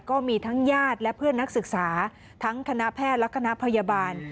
ก็มีทั้งญาติและเพื่อนนักศึกษาทั้งคณะแพทย์และคณะพยาบาล